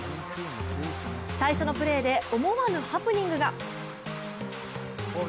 最初のプレーで思わぬハプニングが。